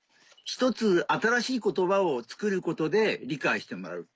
１つ新しい言葉を作ることで理解してもらう。